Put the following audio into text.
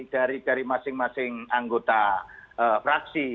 dari masing masing anggota fraksi